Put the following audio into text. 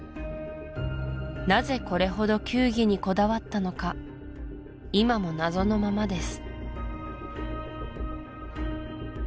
なぜこれほど球技にこだわったのか今も謎のままです